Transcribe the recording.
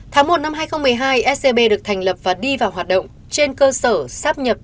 tháng một năm hai nghìn một mươi hai scb được thành lập và đi vào hoạt động trên cơ sở sáp nhập